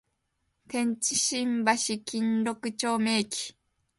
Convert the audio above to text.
天津橋筋六丁目駅